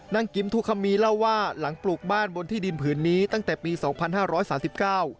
กิมทูคัมมีเล่าว่าหลังปลูกบ้านบนที่ดินผืนนี้ตั้งแต่ปีสองพันห้าร้อยสามสิบเก้า